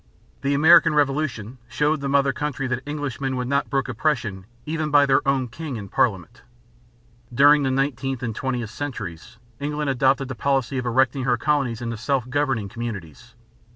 The American Revolution showed the mother country that Englishmen would not brook oppression even by their own king and parliament. During the nineteenth and twentieth centuries England adopted the policy of erecting her colonies into self governing communities.